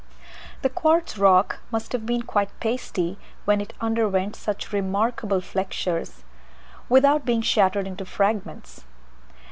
The quartz rock must have been quite pasty when it underwent such remarkable flexures without being shattered into fragments.